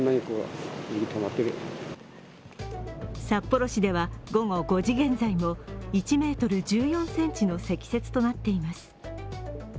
札幌市では午後５時現在も１ｍ１４ｃｍの積雪となっています。